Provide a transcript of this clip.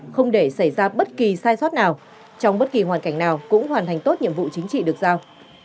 không để xảy ra bất kỳ sai sót nào trong bất kỳ hoàn cảnh nào cũng hoàn thành tốt nhiệm vụ chính trị được giao